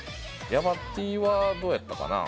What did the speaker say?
ヤバＴはどうやったかな？